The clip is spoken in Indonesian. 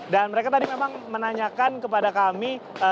dan mereka tadi memang menanyakan kepada kami